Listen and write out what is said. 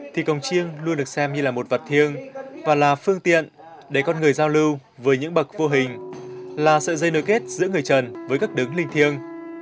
thì cổng chiêng luôn được xem như là một vật thiêng và là phương tiện để con người giao lưu với những bậc vô hình là sợi dây nối kết giữa người trần với các đứng linh thiêng